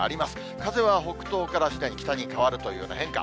風は北東から次第に北に変わるというような変化。